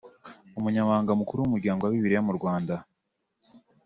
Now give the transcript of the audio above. Umunyamabanga Mukuru w’Umuryango wa Bibiliya mu Rwanda